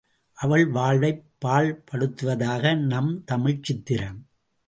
அவள் வாழ்வைப் பாழ்படுத்துவதாக நம் தமிழ்ச் சித்திரம்.